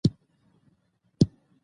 ماشومان د ښوونې له لارې خپله پوهه زیاتوي